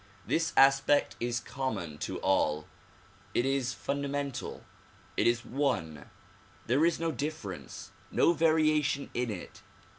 This aspect is common to all. It is fundamental ; it is one ; there is no difference, no variation in it.